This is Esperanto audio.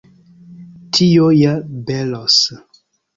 Tio ja belos!